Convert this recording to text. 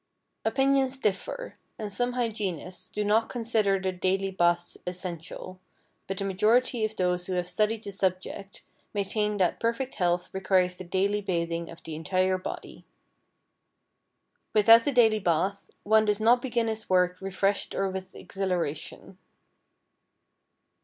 Opinions differ, and some hygienists do not consider the daily bath essential, but the majority of those who have studied the subject maintain that perfect health requires the daily bathing of the entire body. Without the daily bath one does not begin his work refreshed or with exhilaration.